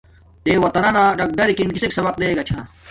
تے وتننا ڈاگ ڈرکن کسک سبق دیں گا چھاہ۔